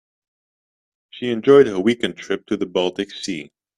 She enjoyed her weekend trip to the baltic sea.